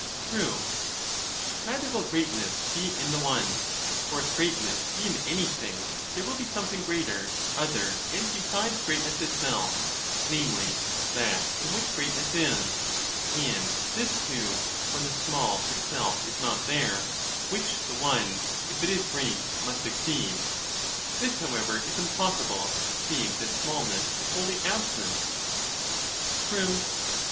True. Neither will greatness be in the one, for if greatness be in anything there will be something greater other and besides greatness itself, namely, that in which greatness is ; and this too when the small itself is not there, which the one, if it is great, must exceed ; this, however, is impossible, seeing that smallness is wholly absent. True.